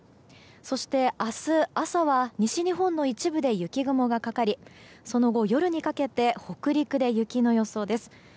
そして、明日朝は西日本の一部で雪雲がかかりその後、夜にかけて北陸で雪の予想です。